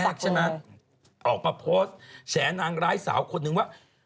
ใช่ไหมออกมาโพสต์แฉนางร้ายสาวคนนึงว่า